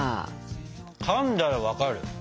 かんだら分かる。